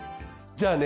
じゃあね